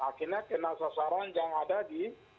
akhirnya kena sasaran yang ada di